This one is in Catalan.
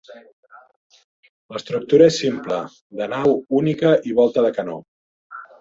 L'estructura és simple, de nau única i volta de canó.